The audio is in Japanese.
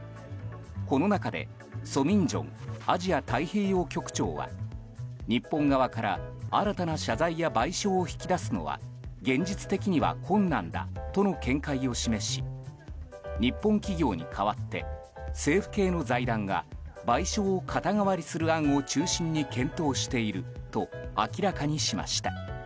この中でソ・ミンジョンアジア太平洋局長は日本側から新たな謝罪や賠償を引き出すのは現実的には困難だとの見解を示し日本企業に代わって政府系の財団が賠償を肩代わりする案を中心に検討していると明らかにしました。